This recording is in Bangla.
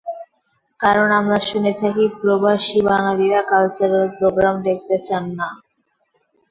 কারণ, আমরা শুনে থাকি প্রবাসী বাঙালিরা কালচারাল প্রোগ্রাম দেখতে চান না।